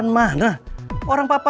udah ngeri ngeri aja